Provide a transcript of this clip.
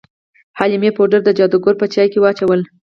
حلیمې پوډر د جادوګر په چای کې واچول.